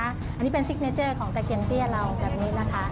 อันนี้เป็นซิกเนเจอร์ของตะเคียนเตี้ยเราแบบนี้นะคะ